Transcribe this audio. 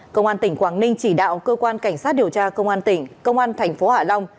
công an tỉnh quảng ninh chỉ đạo cơ quan cảnh sát điều tra công an tỉnh công an tp hà lâm